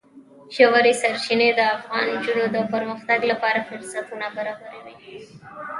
ژورې سرچینې د افغان نجونو د پرمختګ لپاره فرصتونه برابروي.